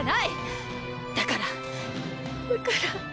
だからだから。